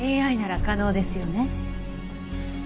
ＡＩなら可能ですよね？